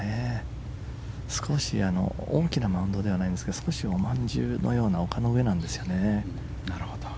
大きなマウンドではないんですがおまんじゅうのような丘の上なんですよね。